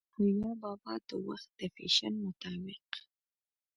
او يا بابا د وخت د فېشن مطابق